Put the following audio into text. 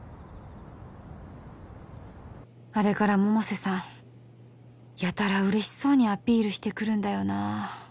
あれから百瀬さんやたら嬉しそうにアピールしてくるんだよな